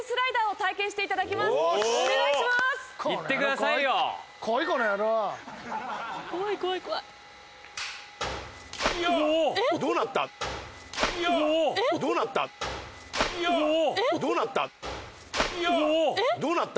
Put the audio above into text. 竹山：どうなった？